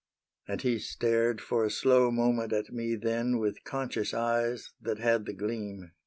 And he stared For a slow moment at me then With conscious eyes that had the gleam.